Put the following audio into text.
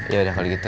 yaudah kalau gitu